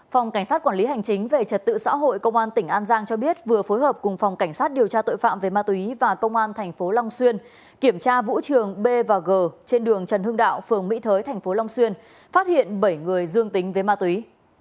phòng cảnh sát quản lý hành chính về trật tự xã hội công an tỉnh an giang cho biết vừa phối hợp cùng phòng cảnh sát điều tra tội phạm về ma túy và công an tp long xuyên kiểm tra vũ trường b và g trên đường trần hưng đạo phường mỹ thới tp long xuyên phát hiện bảy người dương tính với ma túy